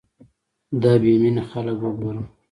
دا بې مينې خلک وګوره